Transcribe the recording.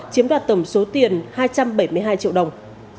chiếm đoạt tổng số tiền hai trăm bảy mươi hai triệu đồng